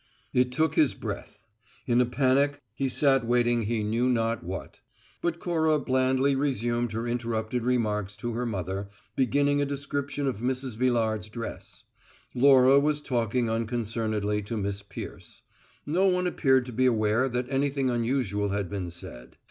It took his breath. In a panic he sat waiting he knew not what; but Cora blandly resumed her interrupted remarks to her mother, beginning a description of Mrs. Villard's dress; Laura was talking unconcernedly to Miss Peirce; no one appeared to be aware that anything unusual had been said.